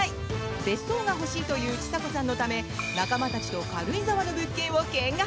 別荘が欲しいというちさ子さんのため仲間たちと軽井沢の物件を見学！